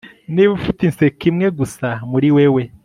niba ufite inseko imwe gusa muri wewe